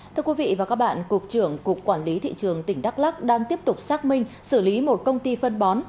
thưa quý vị và các bạn cục trưởng cục quản lý thị trường tỉnh đắk lắc đang tiếp tục xác minh xử lý một công ty phân bón